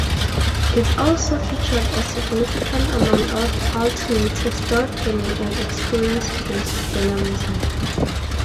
It also featured a significant amount of alternative storytelling and experience-based journalism.